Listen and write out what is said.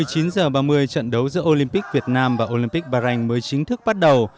hồi chín h ba mươi trận đấu giữa olympic việt nam và olympic bahrain mới chính thức bắt đầu